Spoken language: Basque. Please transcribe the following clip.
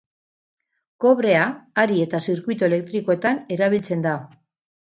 Kobrea hari eta zirkuitu elektrikoetan erabiltzen da.